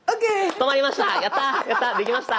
止まりました。